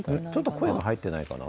声が入ってないかな。